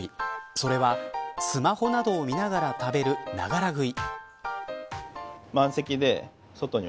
それは、スマホなどを見ながら食べる、ながら食い。